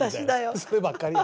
そればっかりや。